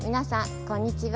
こんにちは。